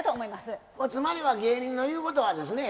つまりは芸人の言うことはですね